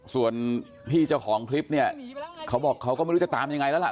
ส่วนพี่เจ้าของคลิปเค้าบอกเค้าก็ไม่รู้จะตามยังไงล่ะ